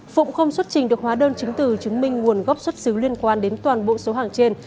phụng không xuất trình được hóa đơn chứng từ chứng minh nguồn gốc xuất xứ liên quan đến toàn bộ số hàng trên